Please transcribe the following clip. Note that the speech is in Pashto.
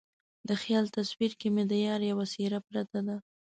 د خیال تصویر کې مې د یار یوه څیره پرته ده